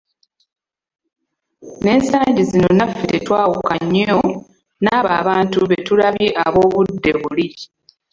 Nensangi zino naffe tetwawuka nnyo naabo abantu betulabye ab‘obudde buli.